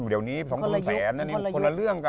เดี๋ยวนี้๒๐๐๐๐๐เป็นคนละยุค